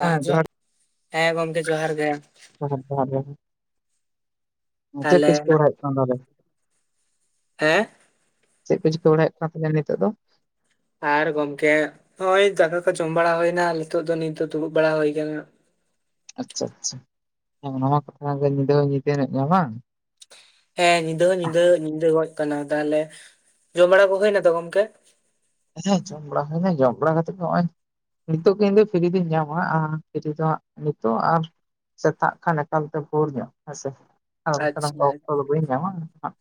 ᱦᱮᱸ ᱡᱚᱦᱟᱨ [unintelligible] ᱦᱮᱸ ᱜᱚᱢᱠᱮ ᱡᱚᱦᱟᱨ ᱜᱮ ᱡᱚᱦᱟᱨ ᱡᱚᱦᱟᱨ ᱜᱮ ᱪᱮᱫ ᱛᱟᱦᱞᱮ ᱠᱚ ᱪᱤᱠᱟᱹ ᱵᱟᱲᱟᱭ ᱦᱩᱭᱩᱜ ᱠᱟᱱᱟ ᱛᱟᱦᱞᱮ ᱦᱮᱸ ᱪᱮᱫ ᱠᱚ ᱪᱤᱠᱟᱹ ᱵᱟᱲᱟᱭᱮᱫ ᱠᱟᱱ ᱛᱮ ᱱᱤᱛᱚᱜ ᱫᱚ ᱟᱨ ᱜᱚᱝᱠᱮ ᱚᱸᱭ ᱫᱟᱠᱟ ᱠᱚ ᱡᱚᱢ ᱵᱟᱲᱟ ᱦᱩᱭᱱᱟ ᱱᱤᱛᱚᱜ ᱫᱚ ᱱᱤᱛ ᱫᱚ ᱫᱩᱲᱩᱵ ᱵᱟᱲᱟ ᱦᱩᱭ ᱠᱟᱱᱟ ᱟᱪᱪᱷᱟ ᱟᱪᱪᱷᱟ ᱦᱮᱸ ᱱᱚᱣᱟ ᱠᱚᱛᱷᱟ ᱜᱮ ᱧᱤᱫᱟᱹ ᱦᱚᱸ ᱧᱤᱫᱟᱹ ᱧᱚᱜ ᱱᱟ ᱵᱟᱝ ᱦᱮᱸ ᱧᱤᱫᱟᱹ ᱦᱚᱸ ᱧᱤᱫᱟᱹ ᱧᱤᱫᱟᱹ ᱜᱚᱡ ᱟᱠᱟᱱᱟ᱾ ᱛᱟᱦᱚᱞᱮ ᱡᱚᱢ ᱵᱟᱲᱟ ᱠᱚ ᱦᱩᱭᱱᱟ ᱛᱚ ᱜᱚᱢᱠᱮ? ᱟᱪᱪᱷᱟ ᱡᱚᱢ ᱵᱟᱲᱟ ᱦᱩᱭᱱᱟ᱾ ᱡᱚᱢ ᱵᱟᱲᱟ ᱠᱟᱛᱮᱜ ᱜᱮ ᱱᱚᱜᱼᱚᱭᱼᱼ ᱱᱤᱛᱚᱜ ᱜᱮ ᱤᱧ ᱫᱚ ᱯᱷᱤᱨᱤ ᱫᱩᱧ ᱧᱟᱢᱟ ᱟᱨ ᱯᱷᱤᱨᱤ ᱫᱚ ᱦᱟᱸ ᱱᱤᱛᱚᱜ ᱟᱨᱼᱼ ᱥᱮᱛᱟᱜ ᱠᱷᱟᱱ ᱮᱠᱟᱞᱛᱮ ᱵᱷᱩᱨ ᱧᱚᱜ᱾ᱦᱮᱸᱥᱮ ᱟᱨ ᱵᱟᱝᱠᱷᱟᱱ ᱟᱪᱪᱷᱟ [unintelligible] ᱵᱟᱹᱧ ᱧᱟᱢᱟ ᱟᱜ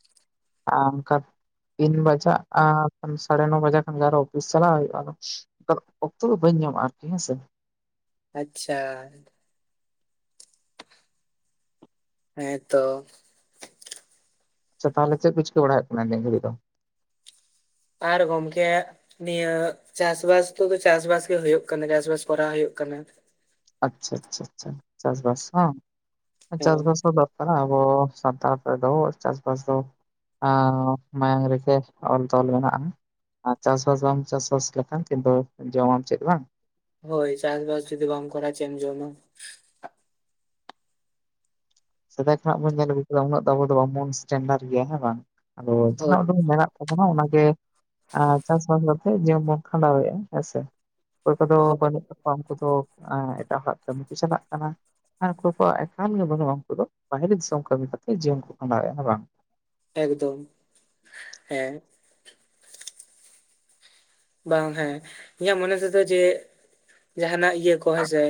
ᱟᱨ ᱚᱱᱠᱟ ᱛᱤᱱ ᱵᱟᱡᱟᱜᱼᱟ [unintelligible] ᱥᱟᱲᱮ ᱱᱚ ᱵᱟᱡᱟᱜᱼᱼ ᱟᱨᱚ ᱚᱯᱷᱤᱥ ᱪᱟᱞᱟᱜ ᱦᱩᱭᱩᱜᱼᱟ ᱟᱫᱚ ᱚᱠᱛᱚ ᱫᱚ ᱵᱟᱹᱧ ᱧᱟᱢᱟ ᱟᱨᱠᱤ ᱦᱮᱸᱥᱮ᱾ ᱟᱪᱪᱷᱟ ᱦᱮᱸ ᱛᱚ ᱟᱪᱪᱷᱟ ᱛᱟᱦᱮᱞᱮ ᱪᱮᱫ ᱠᱚ ᱪᱤᱠᱟᱹ ᱵᱟᱲᱟᱭᱮᱫ ᱠᱟᱱᱟ [unintelligible] ᱫᱚ? ᱟᱨ ᱜᱚᱢᱠᱮ ᱱᱤᱭᱟᱹ ᱪᱟᱥᱵᱟᱥ ᱫᱚ ᱪᱟᱥᱵᱟᱥ ᱦᱩᱭᱩᱜ ᱠᱟᱱᱟ᱾ ᱪᱟᱥᱵᱟᱥ ᱠᱚᱨᱟᱣ ᱦᱩᱭᱩᱜ ᱠᱟᱱᱟ᱾ ᱟᱪᱪᱷᱟ ᱪᱷᱟ ᱪᱷᱟ ᱪᱟᱥᱵᱟᱥ ᱦᱚᱸ ᱦᱮᱸ ᱪᱟᱥᱵᱟᱥ ᱦᱚᱸ ᱫᱚᱨᱠᱟᱨᱟ ᱟᱵᱚ ᱥᱟᱱᱛᱟᱲ᱾ ᱨᱮᱫᱚ ᱪᱟᱥᱵᱟᱥ ᱫᱚ ᱟᱸ ᱢᱟᱭᱟᱝ ᱨᱮᱜᱮ ᱚᱞ ᱛᱚᱞ ᱢᱮᱱᱟᱜᱼᱟ᱾ ᱟᱨ ᱪᱟᱥᱵᱟᱥ ᱵᱟᱢ ᱪᱟᱥᱼᱵᱟᱥ ᱞᱮᱠᱷᱟᱱ ᱠᱤᱱᱛᱩ ᱡᱚᱢᱟᱢ ᱪᱮᱫ ᱵᱟᱝ᱾ ᱦᱳᱭ ᱪᱟᱥᱼᱵᱟᱥ ᱡᱩᱫᱤ ᱵᱟᱢ ᱠᱚᱨᱟᱣᱼᱟ ᱪᱮᱢ ᱡᱚᱢᱟ? ᱥᱮᱫᱟᱭ ᱠᱷᱚᱱᱟᱜ ᱵᱚᱱ ᱧᱮᱞ ᱟᱹᱜᱩ ᱠᱮᱫᱟ ᱩᱱᱟᱹᱜ ᱟᱵᱚ ᱫᱚ ᱵᱟᱝᱵᱚᱱ ᱥᱴᱮᱱᱰᱟᱨ ᱜᱮᱭᱟ ᱦᱮᱸ ᱵᱟᱝ ᱟᱫᱚ ᱡᱟᱦᱟᱸ ᱦᱳᱭ [unintelligible] [unintelligible] ᱟᱫᱷᱚ ᱱᱟᱦᱜ ᱚᱱᱟᱜᱮ ᱟᱨ ᱪᱟᱥᱼᱵᱟᱥ ᱠᱟᱛᱮᱜ ᱡᱤᱭᱚᱱ ᱵᱚᱱ ᱠᱷᱟᱸᱰᱟᱣᱮᱜᱼᱟ, ᱦᱮᱸᱥᱮ᱾ [unintelligible] ᱦᱳᱭ [unintelligible] ᱩᱱᱠᱩ ᱫᱚ ᱮᱸ ᱮᱴᱟᱜ ᱦᱚᱲᱟᱜ ᱠᱟᱹᱢᱤ ᱠᱚ ᱪᱟᱞᱟᱜ ᱠᱟᱱᱟ ᱟᱨ ᱚᱠᱚᱭ ᱠᱚᱣᱟᱜ ᱮᱠᱟᱞ ᱜᱮ ᱵᱟᱹᱱᱩᱜᱼᱟᱼᱼ ᱩᱱᱠᱩ ᱫᱚ ᱵᱟᱦᱨᱮ ᱫᱤᱥᱚᱢ ᱠᱟᱹᱢᱤ ᱠᱟᱛᱮ ᱡᱤᱭᱚᱱ ᱠᱚ ᱠᱷᱟᱸᱰᱟᱣ ᱮᱫᱼᱟ ᱵᱟᱝ᱾ ᱮᱠᱫᱚᱢ ᱦᱮᱸ᱾ ᱵᱟᱝ ᱦᱮᱸ ᱤᱧᱟᱹᱜ ᱢᱚᱱᱮ ᱛᱮᱫᱚ ᱡᱮ ᱡᱟᱦᱟᱱᱟᱜ ᱤᱭᱟᱹ ᱠᱚ ᱦᱮᱸᱥᱮᱼᱼ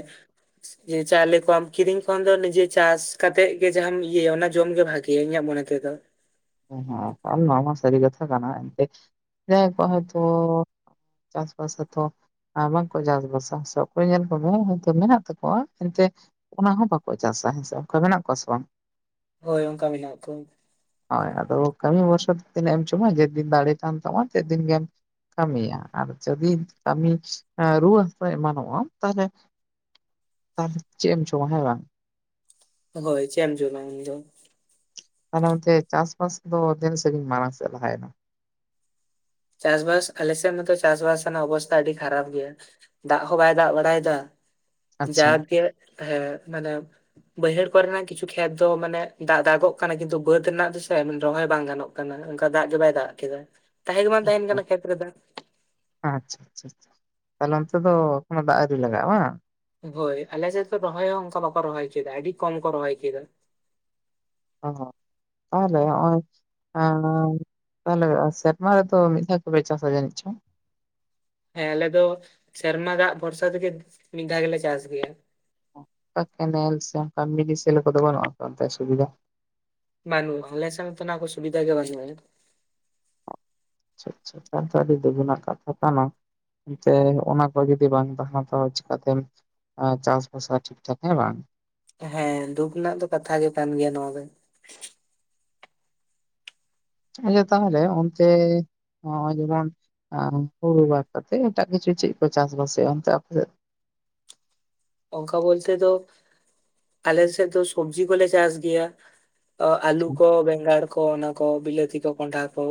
[unintelligible] ᱪᱟᱣᱞᱮ ᱠᱚᱣᱟᱢ ᱠᱤᱨᱤᱧ ᱠᱷᱚᱱ ᱫᱚ ᱱᱤᱡᱮ ᱪᱟᱥ ᱠᱟᱛᱮᱜ ᱜᱮ ᱡᱟᱦᱟᱸᱟᱢ ᱤᱭᱟᱹᱭᱟ ᱚᱱᱟ ᱡᱚᱢᱜᱮ ᱵᱷᱟᱜᱼᱼ ᱜᱮ ᱤᱧᱟᱹᱜ ᱢᱚᱱᱮ ᱛᱮᱫᱚᱼᱼ ᱮᱦᱚᱸ ᱟᱨ ᱱᱚᱣᱟ ᱢᱟ ᱥᱟᱹᱨᱤ ᱠᱟᱛᱷᱟ ᱠᱟᱱᱟ ᱮᱱᱛᱮ ᱡᱟᱸᱦᱟᱭ ᱠᱚ ᱦᱚᱭᱛᱚᱼᱼ ᱪᱟᱥᱼᱵᱟᱥ ᱠᱟᱛᱷᱟ ᱵᱟᱝᱠᱚ ᱪᱟᱥᱼᱵᱟᱥᱟ, ᱥᱮ ᱚᱠᱚᱭ ᱧᱮᱞ [unintelligible] ᱦᱚᱭᱛᱚ ᱢᱮᱱᱟᱜ ᱛᱟᱠᱚᱣᱟ ᱮᱱᱛᱮᱼᱼ ᱚᱱᱟ ᱦᱚᱸ ᱵᱟᱠᱚ ᱪᱟᱥᱟ ᱦᱮᱸ ᱥᱮ ᱚᱱᱠᱟ ᱢᱮᱱᱟᱜ ᱠᱚᱣᱟ ᱥᱮ ᱵᱟᱝ᱾ ᱦᱳᱭ ᱚᱱᱠᱟ ᱢᱮᱱᱟᱜ ᱠᱚᱣᱟ [unintelligible] ᱦᱳᱭ ᱟᱫᱚ ᱠᱟᱹᱢᱤ ᱵᱚᱨᱥᱟ ᱛᱮ ᱛᱤᱱᱟᱹᱜ ᱮᱢ ᱡᱚᱢᱟ ᱡᱮᱫᱤᱱ ᱫᱟᱲᱮ ᱛᱟᱦᱮᱱ ᱛᱟᱢᱟ ᱛᱮᱫᱤᱱ ᱜᱮᱢᱼᱼ ᱠᱟᱹᱢᱤᱭᱟ ᱟᱨ ᱡᱮᱫᱤᱱ ᱠᱟᱹᱢᱤ ᱨᱩᱣᱟᱹ ᱦᱟᱹᱟᱥᱩ ᱮᱢᱟᱱᱚᱜᱼᱟᱢ ᱛᱟᱦᱮᱞᱮᱼᱼ ᱟᱨ ᱪᱮᱫ ᱮᱢ ᱡᱚᱢᱟ ᱦᱮᱸ ᱵᱟᱝ᱾ ᱦᱳᱭ ᱪᱮᱫ ᱮᱢ ᱡᱚᱢᱟ ᱩᱱᱫᱚ? ᱛᱟᱦᱚᱞᱮ ᱚᱱᱛᱮ ᱪᱟᱥᱼᱵᱟᱥ ᱫᱚ ᱛᱤᱱᱟᱹᱜ ᱥᱟᱺᱜᱤᱧ ᱢᱟᱲᱟᱝ ᱥᱮᱫ ᱞᱟᱦᱟᱭᱮᱱᱟ? ᱪᱟᱥᱵᱟᱥ ᱟᱞᱮᱥᱮᱫ ᱢᱟᱛᱚ ᱪᱟᱥᱵᱟᱥ ᱨᱮᱱᱟᱜ ᱚᱵᱚᱥᱛᱟ ᱟᱹᱰᱤ ᱠᱷᱟᱨᱟᱯ ᱜᱮᱭᱟ᱾ ᱫᱟᱜ ᱦᱚᱸ ᱵᱟᱭ ᱫᱟᱜ ᱵᱟᱲᱟᱭᱮᱫᱟ ᱟᱪᱪᱷᱟ ᱡᱟᱜᱮ ᱦᱮᱸ ᱢᱟᱱᱮᱼᱼ ᱵᱟᱹᱭᱦᱟᱹᱲ ᱠᱚᱨᱮᱱᱟᱜ ᱠᱤᱪᱷᱩ ᱠᱷᱮᱛ ᱫᱚ ᱢᱟᱱᱮ ᱫᱟᱜ ᱫᱟᱜᱚᱜ ᱠᱟᱱᱟ ᱠᱤᱱᱛᱩ ᱵᱟᱹᱫ ᱨᱮᱱᱟᱜ ᱫᱚᱥᱮ ᱨᱚᱦᱚᱭ ᱵᱟᱝ ᱜᱟᱱᱚᱜ ᱠᱟᱱᱟ᱾ ᱠᱟᱱᱟ ᱚᱱᱠᱟ ᱫᱟᱜ ᱜᱮ ᱵᱟᱭ ᱫᱟᱜ ᱠᱮᱫᱟ᱾ᱛᱟᱦᱮᱸ ᱜᱮ ᱵᱟᱝ ᱛᱟᱦᱮᱱ ᱟᱪᱪᱷᱟ ᱠᱟᱱᱟ ᱠᱷᱮᱛ ᱨᱮ ᱫᱟᱜ᱾ ᱟᱪᱪᱷᱟ ᱪᱷᱟ ᱪᱷᱟ ᱛᱟᱦᱚᱞᱮ ᱚᱱᱛᱮ ᱫᱚ ᱮᱠᱚᱱᱚ ᱫᱟᱜ ᱟᱣᱨᱤ ᱞᱟᱜᱟᱜᱼᱟ ᱵᱟᱝ? ᱦᱳᱭ ᱟᱞᱮ ᱥᱮᱫ ᱨᱚᱦᱚᱭ ᱦᱚᱸ ᱚᱱᱠᱟ ᱵᱟᱠᱚ ᱨᱚᱦᱚᱭ ᱦᱚᱪᱚᱭᱮᱫᱟ᱾ᱟᱹᱰᱤ ᱠᱚᱢ ᱠᱚ ᱨᱚᱦᱚᱭᱠᱮᱫᱟ᱾ ᱦᱚᱸ ᱦᱚᱸ ᱛᱟᱦᱚᱞᱮ [unintelligible] [unintelligible] ᱛᱟᱦᱚᱞᱮ ᱥᱮᱨᱢᱟ ᱨᱮ ᱫᱚ ᱢᱤᱫᱷᱟ ᱜᱮ ᱯᱮ ᱪᱟᱥᱟ ᱡᱟ. ᱱᱤᱪᱚᱝ? ᱦᱮᱸ ᱟᱞᱮ ᱫᱚ ᱥᱮᱨᱢᱟ ᱫᱟᱜ ᱵᱷᱚᱨᱥᱟ ᱛᱮᱜᱮ ᱢᱤᱫ ᱫᱷᱟᱣ ᱜᱮᱞᱮ ᱪᱟᱥ ᱜᱮᱭᱟ᱾ [unintelligible] ᱠᱮᱱᱮᱞ ᱥᱮ ᱚᱱᱠᱟ [unintelligible] ᱞᱮᱠᱟᱫᱚ ᱵᱟᱹᱱᱩᱜᱟ ᱛᱚ ᱚᱱᱛᱮ ᱥᱩᱵᱤᱫᱷᱟ? ᱵᱟᱱᱩᱜ, ᱟᱞᱮᱥᱮᱫ ᱛᱚ ᱱᱟᱣᱟᱠᱚ ᱥᱵᱤᱫᱷᱟ ᱜᱮ ᱵᱟᱝᱟᱹᱱᱩᱜ᱾ ᱟᱪᱪᱷᱟ ᱟᱪᱪᱷᱟ [unintelligible] ᱟᱹᱰᱤ ᱫᱩᱜᱩ ᱨᱮᱱᱟᱜ ᱠᱟᱛᱷᱟ ᱠᱟᱱᱟ᱾ ᱛᱮ ᱚᱱᱟ ᱠᱚ ᱡᱩᱫᱤ ᱵᱟᱝ ᱛᱟᱦᱮᱱᱟ ᱛᱚ ᱪᱤᱠᱟᱛᱮᱢᱼᱼ ᱟᱨ ᱪᱟᱥᱼᱵᱟᱥᱟ ᱴᱷᱤᱠ ᱴᱷᱟᱠ ᱦᱮᱸ ᱵᱟᱝ? ᱦᱮᱸ ᱫᱩᱠᱷ ᱨᱮᱱᱟᱜ ᱫᱚ ᱠᱟᱛᱷᱟ ᱜᱮ ᱠᱟᱱ ᱜᱮᱭᱟ ᱱᱚᱣᱟ ᱫᱚ᱾ ᱟᱪᱪᱷᱟ ᱛᱟᱦᱚᱞᱮ ᱚᱱᱛᱮ ᱱᱚᱣᱟ ᱡᱮᱢᱚᱱᱼᱼ ᱟᱨ ᱦᱩᱲᱩ ᱵᱟᱫ ᱠᱟᱛᱮᱫ ᱮᱴᱟᱜ ᱠᱤᱪᱷᱩ ᱪᱮᱫ ᱠᱚ ᱪᱟᱥᱵᱟᱥ ᱮᱫᱼᱟ ᱚᱱᱛᱮ ᱟᱯᱮ ᱥᱮᱫ? ᱚᱱᱠᱟ ᱵᱚᱞᱛᱮ ᱫᱚ ᱟᱞᱮ ᱥᱮᱫ ᱫᱚ ᱥᱚᱵᱡᱤ ᱠᱚᱞᱮ ᱪᱟᱥ ᱜᱮᱭᱟ ᱚ ᱟᱹᱞᱩ ᱠᱚ ᱵᱮᱸᱜᱟᱲ ᱠᱚ ᱚᱱᱟ ᱠᱚ ᱵᱤᱞᱟᱹᱛᱤ ᱠᱚ ᱠᱚᱱᱰᱷᱟ ᱠᱚ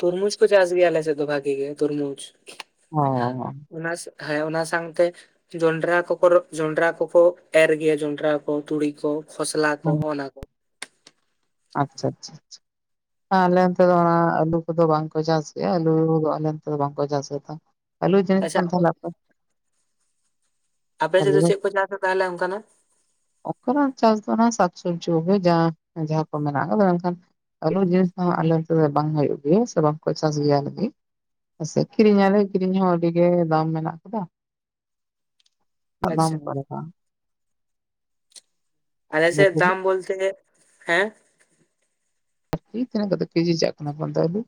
ᱛᱩᱨᱢᱩᱡᱽ ᱠᱚ ᱪᱟᱥ ᱜᱮᱭᱟ ᱟᱞᱮ ᱥᱮᱫ ᱫᱚ ᱵᱷᱟᱜᱤ ᱜᱮ ᱛᱩᱨᱢᱩᱡᱽ ᱚ ᱚᱱᱟ ᱦᱮᱸ ᱚᱱᱟ ᱥᱟᱶᱛᱮ ᱡᱚᱱᱰᱨᱟ ᱠᱚ ᱡᱚᱱᱰᱨᱟ ᱠᱚᱠᱚ ᱮᱨ ᱜᱮᱭᱟ ᱡᱚᱱᱰᱨᱟ ᱠᱚ ᱛᱩᱲᱤ ᱠᱚ ᱠᱷᱚᱥᱞᱟ ᱠᱚ ᱚᱱᱟ ᱠᱚ ᱟᱪᱪᱷᱟ ᱟᱪᱪᱷᱟ ᱟᱪᱪᱷᱟ [inaudible] ᱟᱞᱮ ᱚᱱᱛᱮ ᱫᱚ ᱚᱱᱟ ᱟᱹᱞᱩ ᱠᱚᱫᱚ ᱵᱟᱝᱠᱚ ᱪᱟᱥ ᱜᱮᱭᱟ ᱟᱹᱞᱩ ᱫᱚ ᱟᱞᱮ ᱱᱚᱱᱛᱮ ᱫᱚ ᱵᱟᱝᱠᱚ ᱪᱟᱥ ᱠᱟᱫᱟ ᱟᱹᱞᱩ ᱡᱟᱹᱱᱤᱜ ᱟᱪᱪᱷᱟ ᱠᱷᱟᱱ ᱛᱟᱦᱚᱞᱮ ᱟᱯᱮ ᱟᱹᱞᱩ ᱥᱮᱫ ᱫᱚ ᱪᱮᱫ ᱠᱚ ᱪᱟᱥᱟ ᱛᱟᱦᱚᱞᱮ ᱚᱱᱠᱟᱱᱟᱜ? ᱚᱱᱠᱟᱱᱟᱜ ᱪᱟᱥ ᱫᱚ ᱚᱱᱮ ᱥᱟᱠ ᱥᱚᱵᱽᱡᱤ ᱠᱚᱜᱮ ᱡᱟ ᱡᱟᱦᱟ ᱠᱚ ᱢᱮᱱᱟᱜ ᱟᱠᱟᱫᱟ ᱢᱮᱱᱠᱷᱟᱱ ᱟᱹᱞᱩ ᱡᱤᱱᱤᱥ ᱫᱚ ᱟᱞᱮ ᱥᱮᱫ ᱵᱟᱝ ᱦᱩᱭᱩᱜ ᱜᱮᱭᱟ ᱥᱮ ᱵᱟᱝᱠᱚ ᱪᱟᱥ ᱜᱮᱭᱟ ᱟᱪᱷᱟ ᱠᱤᱨᱤᱧ ᱟᱞᱮ ᱠᱤᱨᱤᱧ ᱦᱚᱸ ᱟᱹᱰᱤ ᱜᱮ ᱫᱟᱢ ᱢᱮᱱᱟᱜ ᱟᱠᱟᱫᱟ ᱫᱟᱢ ᱟᱪᱪᱷᱟ ᱚᱠᱟ ᱞᱮᱠᱟ? ᱟᱞᱮ ᱱᱤᱛ ᱥᱮᱫ ᱦᱟᱹᱵᱤᱡ ᱫᱟᱢ ᱵᱚᱞᱛᱮ ᱦᱮᱸ ᱤ ᱛᱤᱱᱟᱹᱜ ᱠᱟᱛᱮᱫ ᱠᱮᱡᱤ ᱪᱟᱜ ᱠᱟᱱᱟ ᱚᱱᱛᱮ ᱟᱹᱞᱩ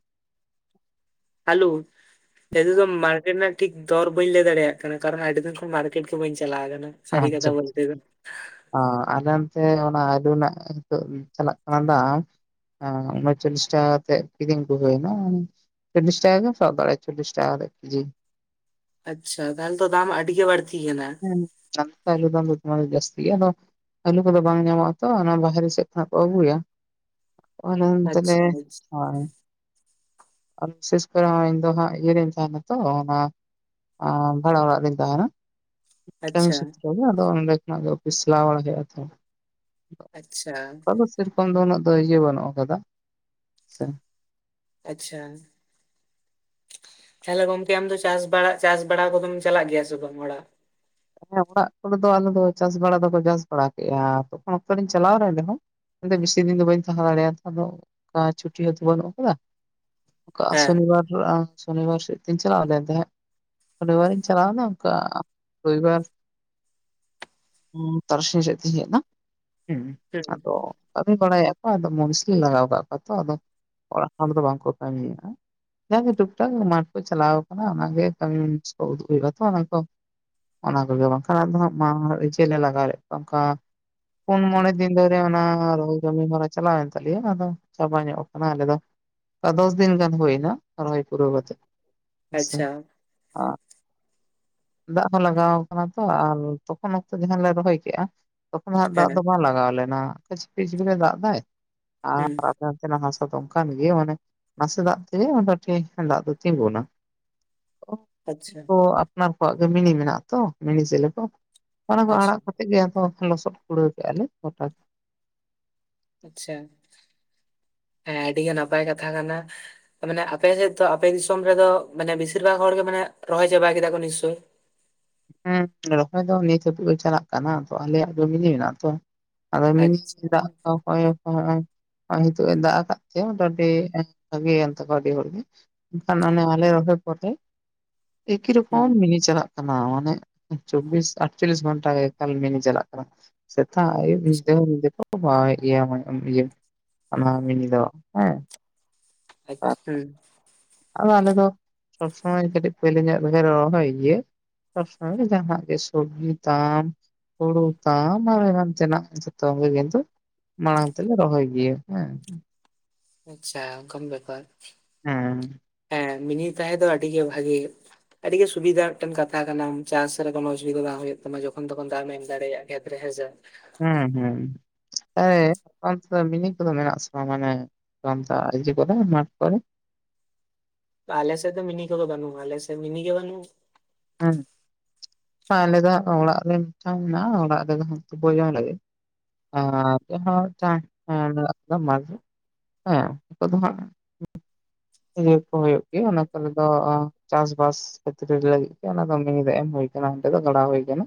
ᱟᱞᱩ ᱱᱤᱛᱳᱜ ᱫᱚ ᱢᱟᱨᱠᱮᱴ ᱨᱮᱱᱟᱜ ᱴᱷᱤᱠ ᱫᱚᱨ ᱵᱟᱹᱧ ᱞᱟᱹᱭ ᱫᱟᱲᱮᱭᱟᱜ ᱠᱟᱱᱟ ᱠᱟᱨᱚᱱ ᱟᱹᱰᱤ ᱫᱤᱱ ᱠᱷᱚᱱ ᱢᱟᱨᱠᱮᱴ ᱜᱮ ᱵᱟᱹᱧ ᱪᱟᱞᱟᱣ ᱟᱠᱟᱱᱟ ᱥᱟᱨᱤ ᱠᱟᱛᱷᱟ ᱵᱚᱞᱛᱮ ᱫᱚ ᱚ ᱟᱞᱮ ᱚᱱᱛᱮ ᱚᱱᱟ ᱟᱹᱞᱩ ᱨᱮᱱᱟᱜ ᱱᱤᱛᱚᱜ ᱪᱟᱞᱟᱜ ᱠᱟᱱᱟ ᱫᱟᱢ ᱚ ᱩᱱᱩᱪᱚᱞᱞᱤᱥ ᱴᱟᱠᱟ ᱠᱟᱛᱮᱫ ᱠᱤᱨᱤᱧ ᱠᱚ ᱦᱩᱭᱱᱟ ᱪᱚᱞᱤᱥ ᱴᱟᱠᱟ ᱜᱮᱢ ᱥᱟᱵ ᱫᱟᱲᱮᱭᱟᱜ-ᱟ ᱪᱚᱞᱤᱥ ᱴᱟᱠᱟ ᱠᱟᱛᱮᱜ ᱠᱮᱡᱤ ᱟᱪᱪᱷᱟ ᱛᱟᱦᱚᱞᱮ ᱛᱚ ᱫᱟᱢ ᱟᱹᱰᱤ ᱜᱮ ᱵᱟᱹᱲᱛᱤ ᱠᱟᱱᱟ ᱦᱮᱸ [unintelligible] ᱟᱞᱩ ᱫᱟᱢ ᱫᱚ ᱫᱟᱢᱮᱜᱮ ᱡᱟᱹᱥᱛᱤ ᱟᱫᱚ ᱟᱹᱞᱩ ᱠᱚᱫᱚ ᱵᱟᱝ ᱧᱟᱢᱚᱜᱼᱟ ᱛᱚ ᱚᱱᱟ ᱵᱟᱦᱨᱮ ᱥᱮᱫ ᱠᱷᱚᱱᱟᱜ ᱠᱚ ᱟᱹᱜᱩᱭᱟ ᱟᱪᱪᱷᱟ [unintelligible] ᱟᱨ ᱵᱤᱥᱮᱥ ᱠᱚᱨᱮ ᱤᱧ ᱫᱚ ᱦᱟᱸᱜ ᱤᱭᱟᱹ ᱨᱮᱧ ᱛᱟᱦᱮᱱᱟ ᱛᱚ ᱚᱱᱟ ᱚ ᱵᱷᱟᱲᱟ ᱚᱲᱟᱜ ᱨᱮᱧ ᱛᱟᱦᱮᱱᱟ ᱠᱟᱹᱢᱤ ᱟᱪᱪᱷᱟ ᱥᱩᱛᱨᱚ ᱟᱫᱚ ᱚᱸᱰᱮ ᱠᱷᱚᱱᱟᱜ ᱫᱚ ᱚᱯᱷᱤᱥ ᱪᱟᱞᱟᱣ ᱵᱟᱲᱟ ᱦᱩᱭᱩᱜᱼᱟ ᱛᱚ ᱟᱪᱪᱷᱟ ᱟᱫᱚ ᱥᱮᱨᱚᱠᱚᱢ ᱫᱚ ᱩᱱᱟᱹᱜ ᱫᱚ ᱤᱭᱟᱹ ᱵᱟᱹᱱᱩᱜ ᱟᱠᱟᱫᱟ ᱥᱮ ᱟᱪᱪᱷᱟ ᱛᱟᱦᱚᱞᱮ ᱜᱚᱝᱠᱮ ᱟᱢ ᱫᱚ ᱪᱟᱥ ᱵᱟᱲᱟ ᱪᱟᱥ ᱵᱟᱲᱟ ᱠᱚᱫᱚᱢ ᱪᱟᱞᱟᱜ ᱜᱮᱭᱟ ᱥᱮ ᱵᱟᱝ ᱚᱲᱟᱜ? ᱦᱮᱸ ᱚᱲᱟᱜ ᱠᱚᱨᱮ ᱫᱚ ᱟᱞᱮ ᱫᱚ ᱪᱟᱥ ᱵᱟᱲᱟ ᱫᱚᱠᱚ ᱪᱟᱥ ᱵᱟᱲᱟ ᱠᱮᱫᱼᱟ ᱛᱚᱠᱷᱚᱱ ᱚᱠᱛᱚ ᱤᱧ ᱪᱟᱞᱟᱣ ᱞᱮᱱ ᱨᱮ ᱦᱚᱸ ᱵᱮᱥᱤ ᱫᱤᱱ ᱫᱚ ᱵᱟᱹᱧ ᱛᱟᱦᱮᱸ ᱫᱟᱲᱮᱭᱟᱫᱟ ᱟᱫᱚ ᱟ ᱪᱷᱩᱴᱤ ᱦᱚᱸᱛᱚ ᱵᱟᱹᱱᱩᱜ ᱟᱠᱟᱫᱟ [inaudible] ᱠᱟ ᱥᱚᱱᱤᱵᱟᱨ [unintelligible] ᱥᱚᱱᱤᱵᱟᱨ ᱥᱮᱫ ᱛᱤᱧ ᱪᱟᱞᱟᱣ ᱞᱮᱱ ᱛᱟᱸᱦᱮᱫ ᱥᱚᱱᱤ ᱵᱟᱨ ᱪᱞᱟᱣᱟᱱᱟ ᱚᱱᱠᱟ ᱨᱚᱵᱤᱵᱟᱨ ᱩᱸ ᱛᱟᱨᱟᱥᱤᱧ ᱥᱮᱫ ᱛᱤᱧ ᱦᱮᱡ ᱮᱱᱟ ᱦᱩᱸ ᱦᱩᱸ ᱟᱫᱚ ᱠᱟᱹᱢᱤ ᱵᱟᱲᱟᱭᱮᱫ ᱟᱠᱚ ᱟᱫᱚ ᱢᱩᱱᱤᱥ ᱞᱤᱧ ᱞᱟᱜᱟᱣ ᱠᱟᱜ ᱠᱚᱣᱟ ᱛᱚ ᱟᱫᱚ ᱚᱲᱟᱜ ᱦᱚᱲ ᱫᱚ ᱵᱟᱝᱠᱚ ᱠᱟᱹᱢᱤᱭᱮᱫᱼᱟ ᱡᱟᱜᱮ ᱴᱩᱠ ᱴᱟᱠ ᱢᱟᱴᱷ ᱠᱚ ᱪᱟᱞᱟᱣ ᱟᱠᱟᱱᱟ ᱚᱱᱟᱜᱮ ᱠᱟᱹᱢᱤ ᱢᱩᱱᱤᱥ ᱠᱚ ᱩᱫᱩᱜ ᱦᱩᱭᱩᱜᱼᱟᱛᱚ ᱚᱱᱟ ᱠᱚ ᱚᱱᱟ ᱠᱚᱜᱮ ᱵᱟᱝᱠᱷᱟᱱ ᱟᱫᱚ ᱦᱟᱸᱜ [unintelligible] ᱞᱟᱜᱟᱣ ᱞᱮᱫ ᱠᱚᱣᱟ ᱚᱱᱠᱟ ᱯᱳᱱ ᱢᱚᱬᱮ ᱫᱤᱱ ᱫᱷᱚᱨᱮ ᱚᱱᱟ ᱨᱚᱦᱚᱭ ᱠᱟᱹᱢᱤ ᱦᱚᱨᱟ ᱪᱟᱞᱟᱣᱮᱱ ᱛᱟᱞᱮᱭᱟ ᱟᱫᱚ ᱪᱟᱵᱟ ᱧᱚᱜ ᱠᱟᱱᱟ ᱟᱞᱮ ᱫᱚ ᱟ ᱫᱚᱥ ᱫᱤᱱ ᱜᱟᱱ ᱦᱩᱭᱱᱟ ᱨᱚᱦᱚᱭ ᱯᱩᱨᱟᱹᱣ ᱠᱟᱛᱮᱜ ᱦᱮᱸᱥᱮ ᱟᱪᱪᱷᱟ ᱫᱟᱜ ᱦᱚᱸ ᱞᱟᱜᱟᱣ ᱠᱟᱱᱟ ᱛᱚ ᱟᱨ ᱛᱚᱠᱷᱚᱱ ᱚᱠᱛᱚ ᱡᱟᱦᱟᱸᱞᱮ ᱨᱚᱦᱚᱭ ᱠᱮᱫᱼᱟ ᱛᱚᱠᱷᱚᱱ ᱦᱟᱸᱜ ᱫᱟᱜ ᱦᱮᱸ ᱫᱚ ᱵᱟᱝ ᱞᱟᱜᱟᱣ ᱞᱮᱱᱟ ᱡᱷᱤᱯᱤᱨ ᱡᱷᱤᱯᱤᱨᱮ ᱫᱟᱜ ᱫᱟᱭ ᱦᱩᱸ ᱟᱨ ᱱᱚᱱᱛᱮᱱᱟᱜ ᱦᱟᱥᱟ ᱫᱚ ᱚᱱᱠᱟᱱ ᱜᱮ ᱢᱟᱱᱮ ᱱᱟᱥᱮ ᱫᱟᱜ ᱛᱮ ᱜᱮ ᱢᱳᱴᱟᱢᱩᱴᱤ ᱫᱟᱜ ᱫᱚ ᱛᱤᱸᱜᱩᱱᱟ ᱚ ᱟᱪᱪᱷᱟ ᱠᱚ ᱟᱯᱱᱟᱨ ᱠᱚᱣᱟᱜ ᱜᱮ ᱢᱤᱱᱤ ᱢᱮᱱᱟᱜ-ᱟ ᱛᱚ ᱢᱤᱱᱤ ᱥᱮᱞᱳ ᱠᱚ ᱚᱱᱟ ᱠᱚ ᱟᱪᱪᱷᱟ ᱟᱲᱟᱜ ᱠᱟᱛᱮᱜ ᱜᱮ ᱟᱫᱚ ᱞᱚᱥᱚᱫ ᱠᱩᱲᱟᱹᱣ ᱠᱟᱜᱼᱟ ᱞᱮ ᱦᱚᱴᱟᱛ ᱟᱪᱪᱷᱟ ᱮᱸ ᱟᱹᱰᱤᱜᱮ ᱱᱟᱯᱟᱭ ᱠᱟᱛᱷᱟ ᱠᱟᱱᱟ ᱢᱟᱱᱮ ᱟᱯᱮ ᱥᱮᱫ ᱛᱚ ᱟᱯᱮ ᱫᱤᱥᱚᱢ ᱨᱮᱫᱚ ᱢᱟᱱᱮ ᱵᱮᱥᱤᱨ ᱵᱷᱟᱜ ᱦᱚᱲ ᱜᱮ ᱢᱟᱱᱮ ᱨᱚᱦᱚᱭ ᱪᱟᱵᱟ ᱠᱮᱫᱟ ᱠᱚ ᱱᱤᱥᱪᱳᱭ ᱦᱮᱸ ᱨᱚᱦᱚᱭ ᱫᱚ ᱱᱤᱛ ᱦᱟᱹᱵᱤᱡ ᱦᱚ ᱪᱟᱞᱟᱜ ᱠᱟᱱᱟ ᱛᱚ ᱟᱞᱮᱭᱟᱜ ᱫᱚ ᱢᱤᱱᱤ ᱢᱮᱱᱟᱜᱼᱟ ᱛᱚ ᱟᱫᱚ ᱢᱤᱱᱤ ᱫᱟᱜ ᱛᱚ [unintelligible] ᱦᱚᱜ ᱚ ᱦᱤᱛᱚᱜ-ᱮ ᱫᱟᱜ ᱟᱠᱟᱫ ᱛᱮ ᱢᱚᱴᱟᱢᱩᱴᱤ ᱟᱹᱰᱤ ᱵᱷᱟᱜᱤᱭᱮᱱ ᱛᱟᱠᱚᱣᱟ ᱟᱹᱰᱤ ᱦᱚᱲ ᱜᱮ ᱮᱱᱠᱷᱟᱱ ᱚᱱᱮ ᱟᱞᱮ ᱨᱚᱦᱚᱭ ᱯᱚᱨᱮ ᱮᱠᱤ ᱨᱚᱠᱚᱢ ᱦᱩᱸ ᱢᱤᱱᱤ ᱪᱟᱞᱟᱜ ᱠᱟᱱᱟ ᱪᱚᱵᱽᱵᱤᱥ ᱟᱴᱪᱚᱞᱞᱤᱥ ᱜᱷᱚᱱᱴᱟ ᱜᱮ ᱮᱠᱟᱞ ᱢᱤᱱᱤ ᱪᱟᱞᱟᱜ ᱠᱟᱱᱟ ᱥᱮᱛᱜ ᱟᱭᱩᱵ ᱧᱤᱫᱟᱹ ᱦᱚᱸ ᱧᱤᱫᱟᱹ ᱠᱚ ᱠᱚ ᱯᱟᱶᱮᱫ ᱜᱮᱭᱟ ᱤᱭᱟ. ᱚᱱᱟ ᱢᱤᱱᱤ ᱫᱚ ᱦᱮᱸ ᱟᱪᱪᱷᱟ ᱦᱩᱸ ᱟᱫᱚ ᱟᱞᱮ ᱫᱚ ᱥᱚᱵ ᱥᱚᱢᱚᱭ ᱠᱟᱹᱴᱤᱡ ᱯᱳᱭᱞᱳ ᱧᱚᱜ ᱨᱮᱜᱮ ᱞᱮ ᱨᱚᱦᱚᱭ ᱜᱮᱭᱟ ᱥᱚᱵ ᱥᱚᱢᱚᱭ ᱜᱮ ᱡᱟᱦᱟᱸᱱᱟ ᱜᱮ ᱥᱚᱵᱽᱡᱤ ᱛᱟᱢ ᱦᱳᱲᱳ ᱛᱟᱢ ᱟᱨᱦᱚᱸ ᱮᱢᱟᱱ ᱛᱮᱱᱟᱜ ᱡᱷᱛᱚ ᱜᱮ ᱠᱤᱱᱛᱩ ᱢᱟᱲᱟᱝ ᱛᱮᱞᱮ ᱨᱚᱦᱚᱭ ᱜᱮᱭᱟ ᱦᱮᱸ ᱟᱪᱪᱷᱟ ᱚᱱᱠᱟᱱ ᱵᱮᱯᱟᱨ ᱦᱮᱸ ᱦᱮᱸ ᱢᱤᱱᱤ ᱛᱟᱦᱮᱸ ᱫᱚ ᱟᱹᱰᱤ ᱜᱮ ᱵᱷᱟᱜᱮ ᱟᱹᱰᱤ ᱜᱮ ᱥᱩᱵᱤᱫᱷᱟ ᱢᱤᱫᱴᱮᱱ ᱠᱟᱛᱷᱟ ᱠᱟᱱᱟᱢ ᱪᱟᱥ ᱨᱮ ᱠᱚᱱᱳ ᱚᱥᱩᱵᱤᱫᱟ ᱵᱟᱝ ᱦᱩᱭᱩᱜ ᱛᱟᱢᱟ ᱡᱚᱠᱷᱚᱱ ᱛᱚᱠᱷᱚᱱ ᱫᱟᱜᱮᱢ ᱮᱢ ᱫᱟᱲᱮᱭᱟᱜ ᱠᱷᱮᱛ ᱨᱮ ᱦᱮᱸᱥᱮ ᱦᱩᱸ ᱦᱩᱸ ᱮ ᱟᱯᱮ ᱚᱱᱛᱮ ᱫᱚ ᱢᱤᱱᱤ ᱠᱚᱫᱚ ᱢᱮᱱᱟᱜ ᱟ ᱥᱮ ᱵᱟᱝ ᱢᱟᱱᱮ [unintelligible] ᱠᱚᱨᱮ ᱢᱟᱴ ᱠᱚᱨᱮ ᱟᱞᱮ ᱥᱮᱫ ᱫᱚ ᱢᱤᱱᱤ ᱠᱚᱫᱚ ᱵᱟᱹᱱᱩᱜ-ᱟ ᱟᱞᱮ ᱥᱮᱫ ᱢᱤᱱᱤ ᱜᱮ ᱵᱟᱹᱱᱩᱜ-ᱟ ᱦᱩ ᱟᱞᱮ ᱫᱚ ᱦᱟᱸᱜ ᱚᱲᱟᱜ ᱨᱮ ᱢᱤᱫᱴᱟᱝ ᱢᱮᱱᱟ-ᱟ ᱚᱲᱟᱜ ᱨᱮᱫᱚ ᱦᱟᱸᱜ ᱛᱩᱯᱩ ᱡᱚᱝ ᱞᱟᱹᱜᱤᱫ ᱟᱨ ᱢᱟᱴᱷ ᱨᱮᱦᱚ ᱢᱤᱫᱴᱟᱝ ᱢᱮᱱᱟᱜ ᱛᱟᱞᱮᱭᱟ ᱢᱟᱴᱷ ᱨᱮ ᱦᱮᱸ ᱠᱚᱫᱚ ᱦᱟᱸᱜ ᱤᱭᱟᱹ ᱠᱚ ᱦᱩᱭᱩᱜ ᱜᱮᱭᱟ ᱚᱱᱟ ᱠᱚᱨᱮ ᱫᱚ ᱪᱟᱥ ᱵᱟᱥ ᱠᱷᱮᱛᱨᱮ-ᱨᱮ ᱞᱟᱹᱜᱤᱫ ᱜᱚᱝᱠᱮ ᱚᱱᱟ ᱫᱚ ᱢᱤᱱᱤ ᱫᱟᱜ ᱮᱢ ᱦᱳᱭ ᱠᱟᱱᱟ ᱚᱱᱛᱮ ᱫᱚ ᱜᱟᱸᱲᱟᱣ ᱦᱩᱭ ᱠᱟᱱᱟ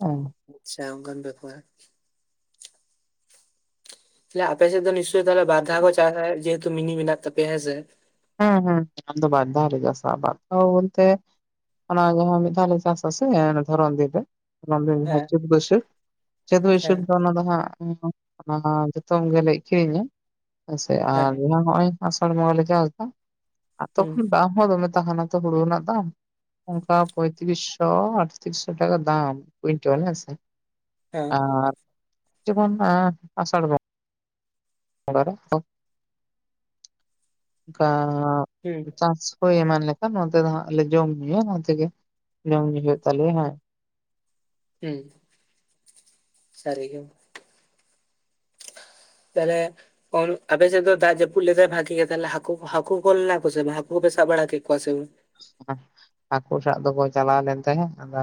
ᱦᱮᱸ ᱟᱪᱪᱷᱟ ᱚᱱᱠᱟᱱ ᱵᱮᱯᱟᱨ ᱮᱭᱟ ᱟᱯᱮᱥᱮᱫ ᱫᱚ ᱱᱤᱥᱪᱳᱭ ᱛᱟᱦᱚᱞᱮ ᱵᱟᱨᱫᱷᱟᱶ ᱠᱚ ᱪᱟᱥᱟ ᱡᱮᱦᱮᱛᱩ ᱢᱤᱱᱤ ᱢᱮᱱᱟᱜ ᱛᱟᱯᱮᱭᱟ ᱦᱮᱸ ᱥᱮ ᱦᱮᱸ ᱦᱮᱸ ᱟᱞᱮ ᱫᱚ ᱵᱟᱨ ᱫᱷᱟᱣ ᱞᱮ ᱪᱟᱥ-ᱟ ᱵᱟᱨ ᱫᱷᱟᱶ ᱵᱚᱞᱛᱮ ᱚᱱᱟ ᱜᱮ ᱦᱟᱸᱜ ᱢᱤᱫ ᱫᱷᱟᱣ ᱞᱮ ᱪᱟᱥ ᱟ ᱥᱮ ᱚᱱᱟ ᱫᱷᱚᱨᱚᱱ ᱫᱤᱱ ᱨᱮ ᱚᱱᱟ ᱫᱚ ᱡᱟᱸᱦᱟ ᱦᱮᱸ ᱪᱟᱹᱛ ᱵᱟᱹᱭᱥᱟᱹᱠᱷ ᱪᱟᱹᱛ ᱦᱮᱸ ᱵᱟᱹᱭᱥᱟᱹᱠᱷ ᱫᱚ ᱚᱱᱟ ᱫᱚ ᱦᱟᱸᱜ ᱤᱧ ᱦᱚ ᱚᱱᱟ ᱢᱟ ᱡᱚᱛᱚᱢ ᱜᱮᱞᱮ ᱟᱠᱷᱨᱤᱧᱟ ᱦᱮᱸᱥᱮ ᱟᱨ ᱦᱮᱸ ᱡᱟᱦᱟᱸ ᱱᱚᱜᱼᱚᱭ ᱟᱥᱟᱲ ᱵᱚᱸᱜᱟ ᱞᱮ ᱪᱟᱥ ᱫᱟ ᱟᱨ ᱦᱩᱸ ᱛᱚᱠᱷᱚᱱ ᱫᱟᱢ ᱦᱚᱸ ᱫᱚᱢᱮ ᱛᱟᱦᱮᱱᱟ ᱛᱚ ᱦᱳᱲᱳ ᱨᱮᱱᱟᱜ ᱫᱟᱢ ᱚᱱᱠᱟ ᱯᱚᱭᱛᱨᱤᱥ ᱥᱚ ᱟᱴᱛᱨᱤᱥ ᱥᱚ ᱴᱟᱠᱟ ᱫᱟᱢ ᱠᱩᱭᱤᱱᱴᱟᱞ ᱦᱮᱸ ᱥᱮ ᱦᱮᱸ ᱟᱨ ᱡᱮᱢᱚᱱ ᱟᱥᱟᱲ ᱵᱚᱝ ᱵᱚᱸᱜᱟ ᱨᱮ ᱚᱱᱠᱟ ᱦᱩᱸ ᱪᱟᱥ ᱦᱳᱭ ᱮᱢᱟᱱ ᱞᱮᱠᱷᱟᱱ ᱱᱚᱛᱮ ᱫᱚ ᱦᱟᱸᱜ ᱞᱮ ᱡᱚᱢ ᱧᱩᱭᱟ ᱚᱱᱟᱛᱮᱜᱮ ᱡᱚᱢ ᱧᱩ ᱦᱩᱭᱩᱜ ᱛᱟᱞᱮᱭᱟ ᱦᱮᱸ ᱦᱮᱸ ᱥᱟ. ᱨᱤ ᱜᱮ ᱛᱟᱦᱞᱮ ᱟᱯᱮ ᱥᱮ ᱫᱚ ᱫᱟᱜ ᱡᱟᱹᱯᱩ ᱞᱮᱫᱟᱭ ᱵᱷᱟᱜᱤ ᱜᱮ ᱛᱟᱦᱞᱮ ᱦᱟᱹᱠᱩ ᱦᱟᱹᱠᱩ ᱠᱚ ᱞᱮᱱᱟ ᱠᱚ ᱥᱮ ᱦᱟᱹᱠᱩ ᱯᱮ ᱥᱟᱵ ᱵᱟᱲᱟ ᱠᱚᱣᱟ ᱥᱮ ᱵᱟᱝ ᱦᱟᱹᱠᱩ ᱥᱟᱵ ᱫᱚᱠᱚ ᱪᱟᱞᱟᱣ ᱞᱮᱱ ᱛᱟᱦᱮᱸᱫ ᱟᱫᱚ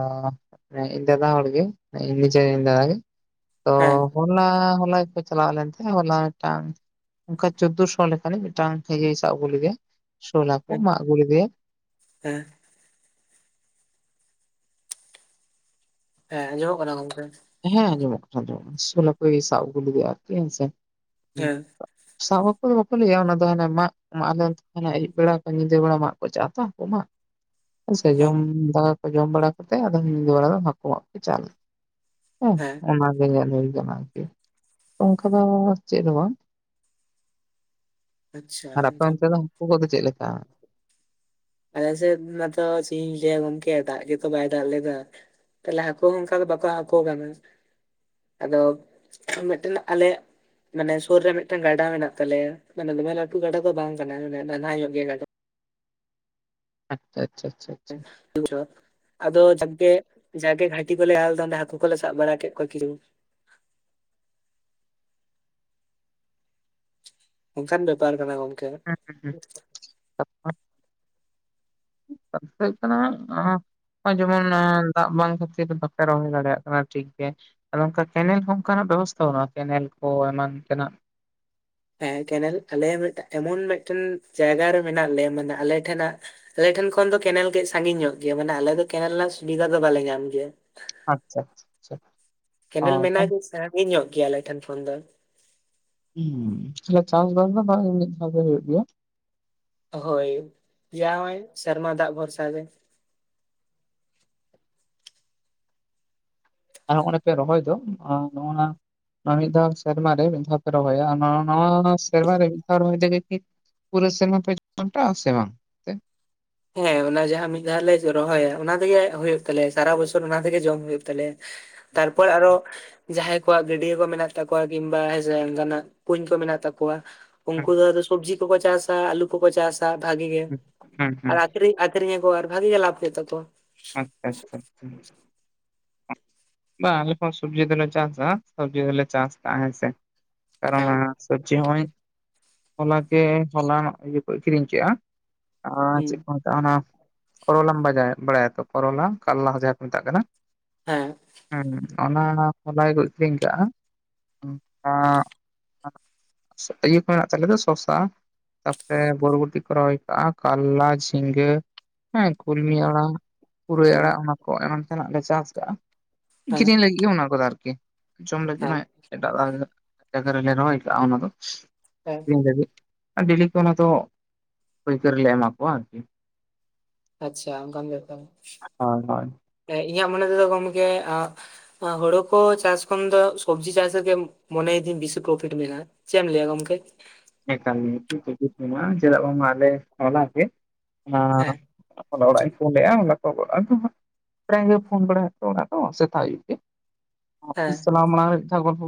ᱤᱧ ᱫᱟᱫᱟ ᱦᱟᱲ ᱜᱮ ᱤᱧ ᱱᱤᱡᱮᱨ ᱤᱧ ᱫᱟᱫᱟᱼᱜᱮ ᱦᱮᱸ ᱦᱚᱞᱟ ᱦᱚᱞᱟ ᱜᱮᱠᱚ ᱪᱞᱟᱣ ᱞᱮᱱ ᱛᱟᱦᱮ ᱦᱚᱞᱟ ᱢᱤᱫᱴᱟᱝ ᱚᱱᱠᱟ ᱪᱳᱫᱽᱫᱳ ᱥᱚ ᱞᱮᱠᱟᱱᱤᱡ ᱢᱤᱫᱴᱟᱝ ᱥᱟᱵ ᱟᱹᱜᱩ ᱞᱮᱫᱮᱭᱟ ᱥᱳᱦ ᱦᱟᱠᱩ ᱦᱮᱸ ᱢᱟᱜ ᱟᱹᱜᱩ ᱞᱮᱫᱮᱭᱟ ᱦᱮᱸ ᱦᱮᱸ ᱟᱡᱚᱢᱚᱜ ᱠᱟᱱᱟ ᱜᱚᱝᱠᱮ ᱦᱮᱸ ᱟᱸᱡᱚᱢᱚᱜ ᱠᱟᱱᱟ ᱟᱸᱡᱚᱢᱚᱜ ᱠᱟᱱᱟ ᱥᱳᱞ ᱦᱟᱠᱩᱭ ᱥᱟᱵ ᱟᱜᱩ ᱞᱮᱫᱮᱭᱟ ᱦᱮᱸ ᱥᱮ ᱦᱮᱸ ᱥᱟᱵᱟ ᱵᱟᱯᱮ ᱦᱩᱭᱩᱜᱭᱟ ᱚᱱᱟ ᱫᱚ ᱦᱟᱱᱮ ᱢᱟ ᱢᱟ ᱟᱞᱮ ᱟᱹᱭᱩᱵ ᱵᱮᱲᱟ ᱧᱤᱫᱟᱹ ᱵᱮᱲᱟ ᱢᱟ ᱠᱚ ᱪᱟ ᱛᱚ ᱟᱠᱚ ᱢᱟ ᱦᱮᱸ ᱥᱮ ᱡᱚᱢ ᱫᱟᱠᱟ ᱠᱚ ᱡᱚᱢ ᱵᱟᱲᱟ ᱠᱟᱛᱮ ᱟᱫᱚ ᱧᱤᱫᱟᱹ ᱵᱮᱲᱟ ᱫᱚ ᱦᱟᱹᱠᱩᱟᱜ ᱠᱚ ᱪᱟᱞ ᱦᱮᱸ ᱚᱱᱟ ᱜᱮ ᱧᱮᱞ ᱦᱩᱭ ᱟᱠᱟᱱᱟ ᱟᱨᱠᱤ ᱚᱱᱠᱟ ᱫᱚ ᱪᱮᱫ ᱫᱚ ᱵᱟᱝ ᱟᱪᱪᱷᱟ ᱟᱨ ᱟᱯᱮ ᱚᱱᱛᱮ ᱜᱚᱝᱠᱮ, ᱫᱚ ᱩᱱᱠᱩ ᱠᱚᱫᱚ ᱪᱮᱫ ᱞᱮᱠᱟ? ᱟᱞᱮ ᱥᱮ ᱢᱟᱛᱚ ᱪᱮ ᱤᱧ ᱞᱟᱹᱭᱟ ᱜᱚᱝᱠᱮ ᱫᱟᱜ ᱜᱮᱛᱚ ᱵᱟᱭ ᱫᱟᱜ ᱞᱮᱫᱟ ᱾ ᱛᱟᱦᱚᱞᱮ ᱦᱟᱹᱠᱩ ᱦᱚᱸ ᱚᱱᱠᱟ ᱫᱚ ᱵᱟᱠᱚ ᱦᱟᱹᱠᱩ ᱟᱠᱟᱱᱟ ᱾ ᱟᱫᱚ ᱢᱤᱫᱴᱮᱱ ᱟᱞᱮᱭᱟᱜ ᱢᱟᱱᱮ ᱥᱩᱨ ᱨᱮ ᱢᱤᱫᱴᱟᱝ ᱜᱟᱰᱟ ᱢᱮᱱᱟᱜ ᱛᱟᱞᱮᱭᱟ, ᱢᱟᱱᱮ ᱫᱚᱢᱮ ᱞᱟᱹᱴᱩ ᱜᱟᱰᱟ ᱫᱚ ᱵᱟᱝ ᱠᱟᱱᱟ ᱢᱟᱱᱮ ᱱᱟᱞᱦᱟ ᱧᱚᱜ ᱜᱮ ᱜᱟᱰᱟ ᱾ ᱟᱪᱪᱷᱟ ᱟᱪᱪᱷᱟ ᱟᱪᱪᱷᱟ ᱾ ᱮ [inaudible] ᱟᱫᱚ ᱡᱟᱠᱜᱮ ᱡᱟᱜᱮ ᱜᱷᱟᱴᱤ ᱠᱚᱞᱮ ᱟᱲᱟ ᱞᱮᱫᱟ ᱟᱫᱚ ᱦᱟᱹᱠᱩ ᱠᱚᱞᱮ ᱥᱟᱵ ᱵᱟᱲᱟ ᱠᱮᱫ ᱠᱚᱣᱟ ᱠᱤᱨᱩ ᱮᱠᱷᱟᱱ ᱵᱮᱯᱟᱨ ᱠᱟᱱᱟ ᱜᱚᱝ ᱦᱮᱸ ᱦᱩᱸ ᱦᱮᱸ [inaudible] [unintelligible] ᱟᱯᱮ ᱡᱮᱢᱚᱱ ᱫᱟᱜ ᱵᱟᱝ ᱠᱷᱟᱹᱛᱤᱨ ᱵᱟᱯᱮ ᱨᱚᱦᱚᱭ ᱫᱟᱲᱮᱭᱟᱜ ᱠᱟᱱᱟ ᱴᱷᱤᱠ ᱜᱮ᱾ ᱟᱫᱚ ᱚᱱᱠᱟ ᱠᱮᱱᱮᱞ ᱦᱚᱸ ᱚᱱᱠᱟᱱᱟᱜ ᱵᱮᱵᱚᱥᱛᱷᱟ ᱵᱟᱹᱱᱩᱜᱼᱟ ᱠᱮᱱᱮᱞ ᱠᱚ ᱮᱢᱟᱱ ᱛᱮᱱᱟᱜ ᱾ ᱦᱮᱸ, ᱠᱮᱱᱮᱞ ᱟᱞᱮ ᱢᱤᱫᱟᱝ ᱮᱢᱚᱱ ᱢᱤᱫᱴᱮᱱ ᱡᱟᱭᱜᱟ ᱨᱮ ᱢᱮᱱᱟᱜ ᱞᱮᱭᱟ, ᱢᱟᱱᱮ ᱟᱞᱮ ᱴᱷᱮᱱᱟᱜ ᱟᱞᱮ ᱴᱷᱮᱱ ᱠᱷᱚᱱ ᱫᱚ ᱠᱮᱱᱮᱞ ᱠᱟᱹᱡ ᱥᱟᱺᱜᱤᱧ ᱧᱚᱜ ᱜᱮᱭᱟ, ᱢᱟᱱᱮ ᱟᱞᱮ ᱫᱚ ᱠᱮᱱᱮᱞ ᱨᱮᱱᱟᱜ ᱥᱩᱵᱤᱫᱷᱟ ᱫᱚ ᱵᱟᱞᱮ ᱧᱟᱢ ᱜᱮᱭᱟ ᱾ ᱟᱪᱪᱷᱟ ᱟᱪᱪᱷᱟ ᱾ ᱠᱮᱱᱮᱞ ᱢᱮᱱᱟᱜ ᱜᱮ ᱥᱮᱺᱜᱤ ᱧᱚᱜ ᱜᱮᱭᱟ ᱟᱞᱮ ᱴᱷᱮᱱ ᱠᱷᱚᱱ ᱫᱚ ᱾ ᱦᱩᱸ, ᱛᱟᱦᱚᱞᱮ ᱪᱟᱥ ᱵᱟᱥ ᱫᱚ ᱵᱟᱝ ᱢᱤᱫ ᱫᱷᱟᱹᱣ ᱫᱚ ᱦᱩᱭᱩᱜ ᱜᱮᱭᱟ ᱾ ᱦᱳᱭ, ᱮᱭᱟ ᱚᱭ ᱥᱮᱨᱢᱟ ᱫᱟᱜ ᱵᱷᱚᱨᱥᱟ ᱨᱮ ᱾ ᱟᱨ ᱦᱚᱸᱜᱰᱮ ᱯᱮ ᱨᱚᱦᱚᱭ ᱫᱚ ᱱᱚᱜᱼ ᱱᱟ ᱢᱤᱫ ᱫᱷᱟᱹᱣ ᱥᱮᱨᱢᱟ ᱨᱮ ᱢᱤᱫ ᱫᱷᱟᱹᱣ ᱨᱚᱦᱚᱭᱼᱟ ᱱᱚᱣᱟ ᱱᱚᱣᱟ ᱥᱮᱨᱢᱟ ᱨᱮ ᱢᱤᱫ ᱫᱷᱟᱹᱣ ᱨᱚᱦᱚᱭ ᱛᱮᱜᱮ ᱠᱤ ᱯᱩᱨᱟᱹ ᱥᱮᱢᱟ ᱯᱮ ᱡᱚᱱᱴᱟ ᱥᱮ ᱵᱟᱝ? ᱦᱩᱸ ᱦᱮᱸ, ᱚᱱᱟ ᱡᱟᱦᱟᱸ ᱢᱤᱫ ᱫᱷᱟᱹᱣ ᱞᱮ ᱨᱚᱦᱚᱭᱟ ᱚᱱᱟ ᱛᱮᱜᱮ ᱦᱩᱭᱩᱜ ᱛᱟᱞᱮᱭᱟ ᱥᱟᱨᱟ ᱵᱚᱪᱷᱚᱨ ᱚᱱᱟ ᱛᱮᱜᱮ ᱡᱚᱢ ᱦᱩᱭᱩᱜ ᱛᱟᱞᱮᱭᱟ ᱾ [inaudible] ᱛᱟᱨᱯᱚᱨ ᱟᱨᱚ ᱡᱟᱦᱟᱸᱭ ᱠᱚᱣᱟᱜ ᱜᱟᱹᱰᱭᱟᱹ ᱠᱚ ᱢᱮᱱᱟᱜ ᱛᱟᱠᱚᱣᱟ, ᱠᱤᱢᱵᱟ ᱦᱳᱭ ᱥᱮ ᱚᱱᱠᱟ ᱱᱟᱜ ᱠᱩᱧ ᱠᱚ ᱢᱮᱱᱟᱜ ᱛᱟᱠᱚᱣᱟ, ᱠᱚᱣᱟ, ᱩᱱᱠᱩ ᱫᱚ ᱥᱚᱵᱡᱤ ᱠᱚᱠᱚ ᱪᱟᱥᱟ ᱟᱞᱩ ᱠᱚᱠᱚ ᱪᱟᱥᱟ ᱵᱷᱟᱜᱤ ᱜᱮ᱾ ᱦᱮᱸ ᱦᱮᱸ ᱾ ᱠᱤᱨᱤᱧᱤᱭᱟᱹ ᱟᱠᱷᱨᱤᱧ ᱟᱨ ᱵᱷᱟᱹᱜᱤ ᱜᱮ ᱞᱟᱵᱷ ᱦᱩᱭᱩᱜ ᱛᱟᱠᱚᱣᱟ ᱾ ᱟᱪᱪᱷᱟ ᱟᱪᱪᱷᱟ ᱟᱪᱷᱟᱪᱷᱟ ᱾ ᱵᱟᱝ ᱟᱞᱮ ᱥᱚᱵᱡᱤ ᱫᱚᱞᱮ ᱪᱟᱥᱟ, ᱥᱚᱵᱡᱤ ᱫᱚᱞᱮ ᱪᱟᱥ ᱛᱟᱦᱮᱸ ᱥᱮ ᱠᱟᱨᱚᱱ ᱦᱮᱸ ᱠᱚ ᱪᱮ ᱦᱚᱭ ᱦᱚᱞᱟ ᱠᱮ ᱦᱚᱞᱟ ᱤᱭᱟᱹ ᱠᱚ ᱟᱹᱠᱷᱤᱨᱤᱧ ᱠᱮᱜᱼᱟ ᱾ ᱟᱨ ᱦᱩᱸ ᱪᱮᱫ ᱠᱚ ᱚᱱᱟ ᱠᱚᱨᱚᱞᱟᱢ ᱵᱟᱡᱟᱭ ᱵᱟᱲᱟᱭᱟ ᱛᱚ ᱠᱚᱨᱚᱞᱟ ᱠᱟᱨᱞᱟ ᱡᱟᱦᱟᱸ ᱠᱚ ᱢᱮᱛᱟᱜ ᱠᱟᱱᱟ ᱾ ᱦᱮᱸ ᱾ ᱦᱮᱸ, ᱚᱱᱟ ᱦᱚᱞᱟᱭ ᱠᱚ ᱟᱹᱠᱷᱨᱤᱧ ᱠᱟᱜᱼᱟ ᱾ ᱤᱭᱟᱹ ᱠᱚ ᱦᱮᱱᱟᱜ ᱛᱟᱞᱮ ᱫᱚ ᱥᱚᱥᱟ ᱛᱟᱯᱚᱨᱮ ᱵᱚᱨ ᱵᱚᱴᱤ ᱠᱚ ᱨᱚᱦᱚᱣ ᱠᱟᱜᱼᱟ ᱠᱟᱞᱞᱟ, ᱡᱷᱤᱸᱜᱟᱹ ᱾ ᱦᱮᱸ ᱠᱩᱞᱢᱤ ᱦᱮᱸ ᱟᱲᱟᱜ, ᱯᱩᱨᱟᱹᱭ ᱦᱮᱸ ᱟᱲᱟᱜ ᱚᱱᱟ ᱠᱚ ᱮᱢᱟᱱ ᱛᱮᱱᱟᱜ ᱞᱮ ᱪᱟᱥ ᱠᱟᱜᱼᱟ ᱾ ᱟᱠᱷᱨᱤᱧ ᱞᱟᱹᱜᱤᱫ ᱜᱮ ᱚᱱᱟ ᱠᱚᱫᱚ ᱟᱨᱠᱤ ᱡᱚᱢ ᱞᱟᱹᱜᱤᱫ ᱦᱮᱸ ᱢᱟ ᱟᱞᱟᱫᱟ ᱡᱟᱭᱜᱟ ᱨᱮ ᱞᱮ ᱨᱚᱦᱚᱭ ᱠᱟᱜᱼᱟ ᱚᱱᱟ ᱫᱚ ᱦᱮᱸ ᱟᱠᱷᱨᱤᱧ ᱞᱟᱹᱜᱤᱫ ᱾ ᱰᱮᱞᱤ ᱠᱚ ᱚᱱᱟ ᱫᱚ ᱯᱟᱹᱭᱠᱟᱹᱨᱞᱮ ᱮᱢᱟ ᱠᱚᱣᱟ ᱟᱨᱠᱤ ᱾ ᱟᱪᱪᱷᱟ ᱾ ᱚᱱᱠᱟᱱ ᱵᱮᱯᱟᱨ, ᱦᱳᱭ ᱦᱳᱭ ᱤᱧᱟᱹᱜ ᱢᱚᱱᱮ ᱛᱮᱫᱚ ᱜᱚᱝᱠᱮ ᱦᱳᱲᱳ ᱠᱚ ᱪᱟᱥ ᱠᱷᱚᱱ ᱫᱚ ᱥᱚᱵᱽᱡᱤ ᱪᱟᱥ ᱨᱮᱜᱮ ᱢᱚᱱᱮᱭᱤᱫᱟᱹᱧ ᱵᱤᱥᱤ ᱯᱨᱚᱯᱷᱤᱴ ᱢᱮᱱᱟᱜᱼᱟ ᱾ ᱪᱮᱢ ᱞᱟᱹᱭ ᱜᱚᱝᱠᱮ? ᱦᱮᱸ, ᱮᱠᱟᱞ ᱜᱮ ᱯᱨᱚᱯᱷᱤᱴ ᱢᱮᱱᱟᱜᱼᱟ ᱾ ᱪᱮᱫᱟᱜ ᱵᱟᱝ ᱢᱟ ᱟᱞᱮ ᱦᱚᱞᱟ ᱜᱮ ᱦᱮᱸ ᱦᱚᱞᱟ ᱫᱚ ᱚᱲᱟᱜ ᱤᱧ ᱯᱷᱳᱱ ᱞᱮᱫᱼᱟ ᱦᱚᱞᱟ ᱠᱚ ᱟᱫᱚ ᱦᱟᱸᱜ ᱯᱨᱟᱭ ᱜᱮ ᱯᱷᱳᱱ ᱵᱟᱲᱟ ᱦᱟᱠᱚ ᱥᱮᱛᱟᱜ ᱟᱭᱩᱵ ᱜᱮ। ᱦᱮᱸ ᱚᱯᱷᱤᱥ ᱪᱟᱞᱟᱣ ᱢᱟᱬᱟᱝ ᱨᱮ ᱢᱤᱫ ᱫᱷᱟᱣ ᱜᱚᱞᱯᱚ